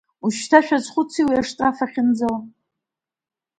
Уажәшьҭа шәазхәыц уи аштраф ахьынаӡауа…